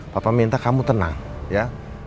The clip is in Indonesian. papa minta kamu tenang ya